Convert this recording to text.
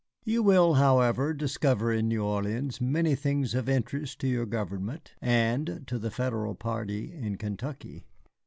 You will, however, discover in New Orleans many things of interest to your government and to the Federal party in Kentucky.